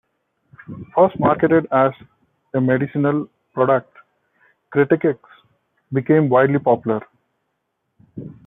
First marketed as a medicinal product, kreteks became widely popular.